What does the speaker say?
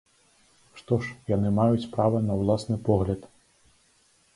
Што ж, яны маюць права на ўласны погляд.